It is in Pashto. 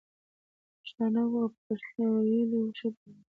پښتانه وو او په پښتو ویلو ښه پوهېدل.